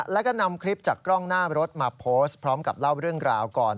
แล้วก็นำคลิปจากกล้องหน้ารถมาโพสต์พร้อมกับเล่าเรื่องราวก่อน